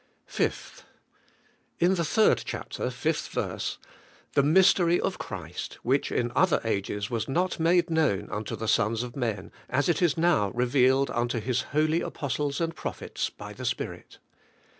5. In the 3rd chapter, 5tli verse: "The mystery of Christ, which in other ages was not made known unto the sons of men as it is now revealed unto His holy apostles and prophets by the Spirit."